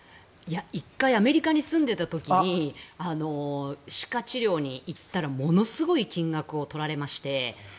１回アメリカに住んでいた時に歯科治療に行ったらものすごい金額を取られまして。